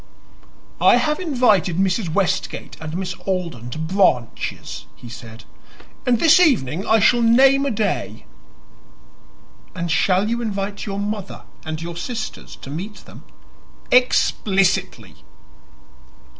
"I have invited Mrs. Westgate and Miss Alden to Branches," he said, "and this evening I shall name a day." "And shall you invite your mother and your sisters to meet them?" "Explicitly!"